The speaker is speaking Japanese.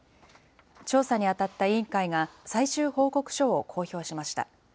調査にあたった委員会が、最終報告書を公表しました。